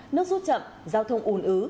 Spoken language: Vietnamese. nước rút chậm giao thông ùn ứ